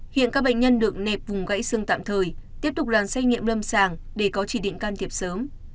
hiện các bệnh nhân được nẹp vùng gãy xương tạm thời tiếp tục đoàn xét nghiệm lâm sàng để có chỉ định can thiệp sớm